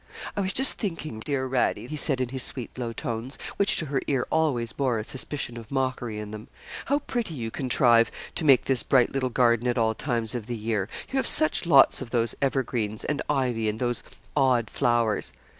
'I was just thinking, dear Radie,' he said in his sweet low tones, which to her ear always bore a suspicion of mockery in them, 'how pretty you contrive to make this bright little garden at all times of the year you have such lots of those evergreens, and ivy, and those odd flowers.'